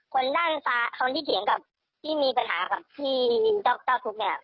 คนที่เคียงกับที่มีปัญหากับที่เจ้าทุกข์เนี่ย